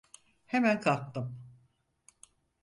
Hemen kalktım.